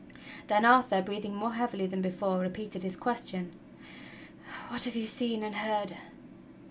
Then Arthur, breathing more heavily than before, repeated his question : "What have you seen and heard?"